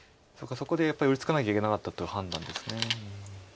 そこでやっぱり寄り付かなきゃいけなかったって判断です。